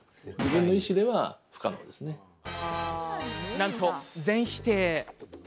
なんと、全否定。